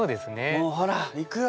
「もうほら行くよ。